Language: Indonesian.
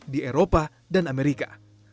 di eropa dan amerika